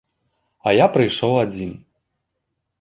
А я прыйшоў адзін.